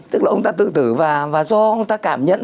tức là ông đã tự tử và do ông ta cảm nhận